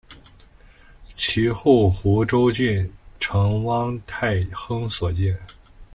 其后湖州郡丞汪泰亨所建。